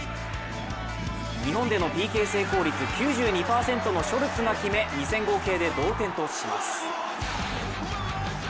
日本でのＰＫ成功率９２％のショルツが決め２戦合計で同点とします。